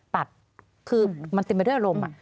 ตัดคือมันเต็มไปด้วยอารมณ์